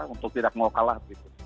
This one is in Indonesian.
untuk tidak mau kalah